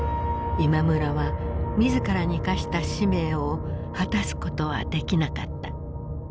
今村は自らに課した使命を果たすことはできなかった。